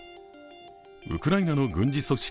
ウクライナの軍事組織